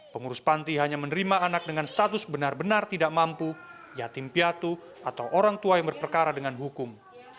pengurus panti hanya menerima anak dengan status benar benar tidak mampu yatim piatu atau orang tua yang berperkara dengan hukum